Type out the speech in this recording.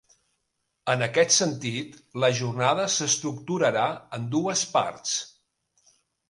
En aquest sentit, la jornada s'estructurarà en dues parts.